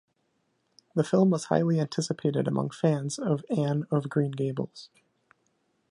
The film was highly anticipated among fans of "Anne of Green Gables".